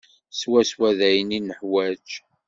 Swaswa d ayen i nuḥwaǧ.